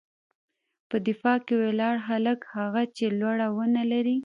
_په دفاع کې ولاړ هلک، هغه چې لوړه ونه لري.